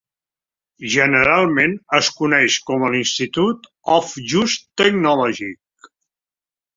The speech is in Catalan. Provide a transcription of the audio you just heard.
Generalment es coneix com el Institute of Jute Technology.